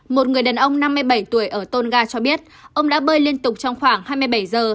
một người đàn ông năm mươi bảy tuổi ở tonga cho biết ông đã bơi liên tục trong khoảng hai mươi bảy giờ